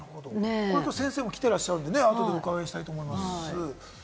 先生も来てらっしゃるのでね、お伺いしたいと思います。